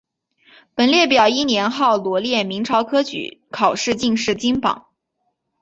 本列表依年号罗列明朝科举考试进士金榜。